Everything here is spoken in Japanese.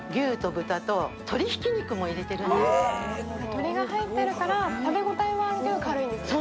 鶏が入ってるから食べごたえはあるけど軽いんですね